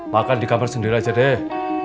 makan di kamar sendiri aja deh